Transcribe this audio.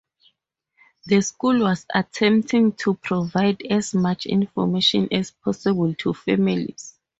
The school was attempting to provide as much information as possible to families.